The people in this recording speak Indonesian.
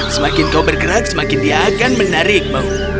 semakin kau bergerak semakin dia akan menarikmu